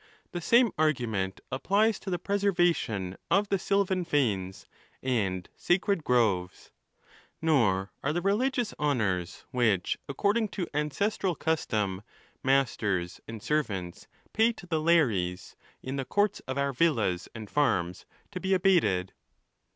The Same argument applies to the preservation of the sylvan fanes and sacred groves, Nor are the religious honours, which, according to ancestral custom, masters and servants pay to the dares, in the courts of our villas and farms, to be abated.